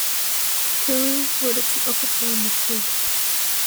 Currie wurde jetzt zum offiziellen Mitglied.